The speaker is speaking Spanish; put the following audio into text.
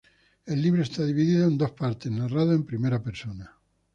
El libro está dividido en dos partes, narrado en primera persona.